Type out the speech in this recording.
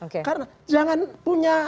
karena jangan punya